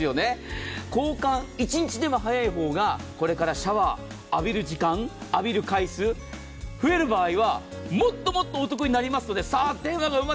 交換一日でも早い方がこれからシャワー、浴びる時間、浴びる回数、増える場合はもっともっとお得になりますので。